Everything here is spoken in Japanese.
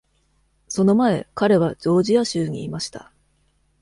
その前、彼はジョージア州にいました。